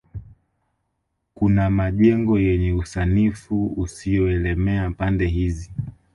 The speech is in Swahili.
Kuna majengo yenye usanifu usioelemea pande hizi